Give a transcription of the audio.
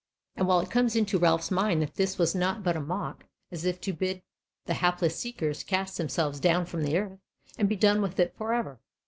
And whiles it came into Ralph's mind that this was naught but a mock, as if to bid the hapless seekers cast themselves down from the earth, and be done with it for ever.